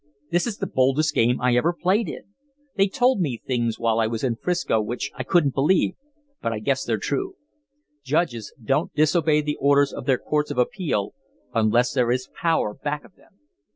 This is the boldest game I ever played in. They told me things while I was in 'Frisco which I couldn't believe, but I guess they're true. Judges don't disobey the orders of their courts of appeal unless there is power back of them."